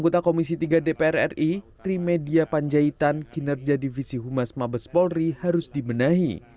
trimedia panjaitan kinerja divisi humas mabes polri harus dimenahi